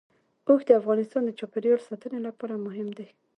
اوښ د افغانستان د چاپیریال ساتنې لپاره مهم دي.